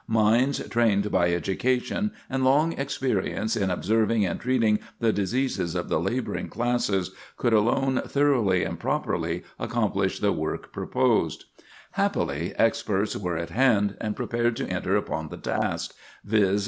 Minds trained by education, and long experience in observing and treating the diseases of the laboring classes, could alone thoroughly and properly accomplish the work proposed. [Sidenote: The Medical Experts] Happily, experts were at hand and prepared to enter upon the task, viz.